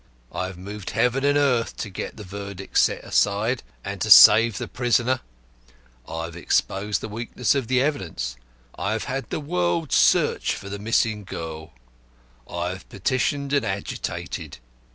I have moved heaven and earth to get the verdict set aside, and to save the prisoner; I have exposed the weakness of the evidence; I have had the world searched for the missing girl; I have petitioned and agitated.